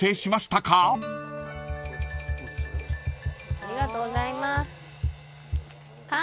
ありがとうございます。